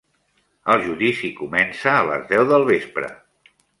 El judici comença a les deu del vespre.